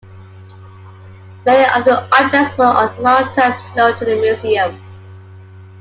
Many of the objects were on long-term loan to the museum.